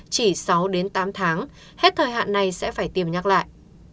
chỉ sáu đến tám tháng hết thời hạn này sẽ phải tiêm nhắc lại